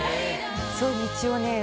そう道をね